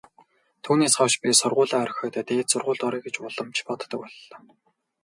Түүнээс хойш би сургуулиа орхиод дээд сургуульд оръё гэж улам ч боддог боллоо.